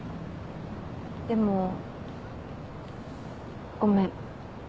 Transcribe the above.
でもごめん。